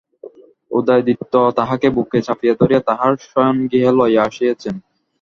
উদয়াদিত্য তাহাকে বুকে চাপিয়া ধরিয়া তাঁহার শয়নগৃহে লইয়া আসিয়াছেন।